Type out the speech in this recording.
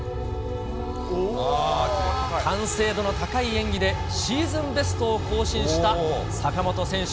完成度の高い演技でシーズンベストを更新した坂本選手。